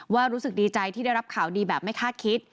รู้สึกดีใจที่ได้รับข่าวดีแบบไม่คาดคิด